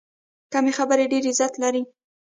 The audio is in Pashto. کمې خبرې، ډېر عزت لري.